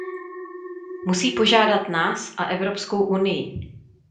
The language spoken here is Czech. Musí požádat nás a Evropskou unii.